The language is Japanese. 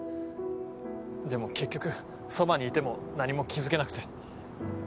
でも結局そばにいても何も気付けなくて。